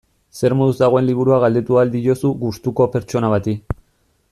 Zer moduz dagoen liburua galdetu ahal diozu gustuko pertsona bati.